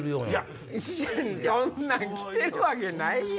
そんなん来てるわけないやん！